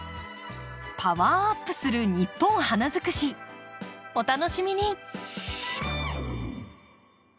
パワーアップする「ニッポン花づくし」お楽しみに！